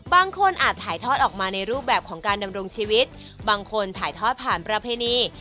อาจถ่ายทอดออกมาในรูปแบบของการดำรงชีวิตบางคนถ่ายทอดผ่านประเพณี